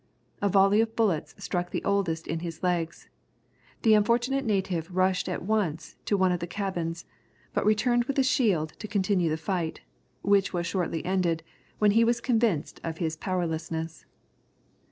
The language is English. A volley of bullets struck the oldest in his legs. The unfortunate native rushed at once to one of the cabins, but returned with a shield to continue the fight, which was shortly ended, when he was convinced of his powerlessness.